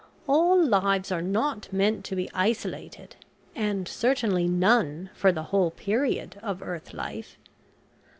All lives are not meant to be isolated, and certainly none for the whole period of earth life.